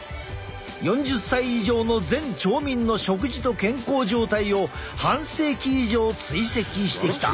４０歳以上の全町民の食事と健康状態を半世紀以上追跡してきた。